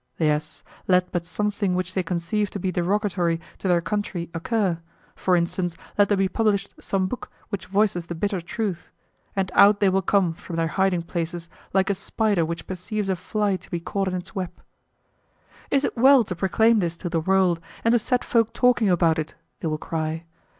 Yes, let but something which they conceive to be derogatory to their country occur for instance, let there be published some book which voices the bitter truth and out they will come from their hiding places like a spider which perceives a fly to be caught in its web. "Is it well to proclaim this to the world, and to set folk talking about it?" they will cry.